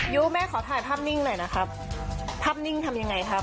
ยุแม่ขอถ่ายภาพนิ่งหน่อยนะครับภาพนิ่งทำยังไงครับ